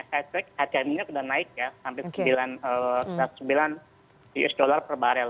saya cek adanya sudah naik ya sampai sembilan usd per barrel